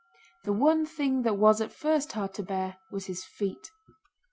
The one thing that was at first hard to bear was his feet.